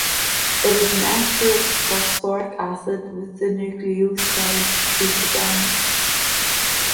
It is an ester of phosphoric acid with the nucleoside cytidine.